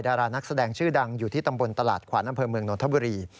ดารานักแสดงชื่อดังอยู่ที่ตำบลตลาดขวานอำเภอเมืองนนทบุรี